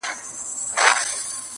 نجلۍ پر سر دي منګی مات سه،